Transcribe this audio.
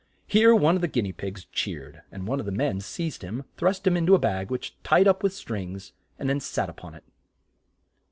Here one of the guin ea pigs cheered, and one of the men seized him, thrust him in to a bag which tied up with strings, and then sat up on it.